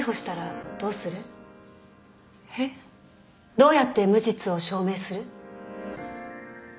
どうやって無実を証明する？